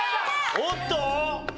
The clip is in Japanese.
おっと？